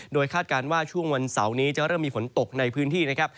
โดยคาดการณ์ว่าช่วงวันเสาร์นี้จะเริ่มมีฝนตกในพื้นที่นะครับ